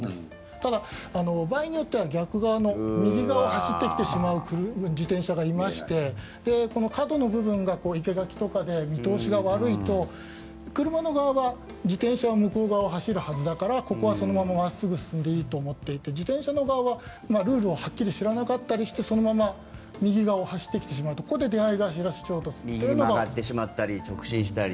ただ、場合によっては逆側の右側を走ってくる自転車がいまして角の部分が生け垣とかで見通しが悪いと車の側は自転車は向こう側を走るはずだからここはそのまま真っすぐ進んでいいと思っていて自転車の側はルールをはっきり知らなかったりしてそのまま右側を走ってきてしまうと右に曲がってしまったり直進したり。